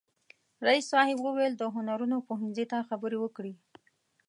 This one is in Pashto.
رئیس صاحب وویل د هنرونو پوهنځي ته خبرې وکړي.